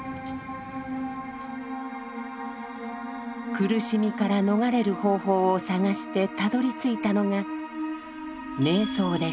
苦しみから逃れる方法を探してたどりついたのが「瞑想」でした。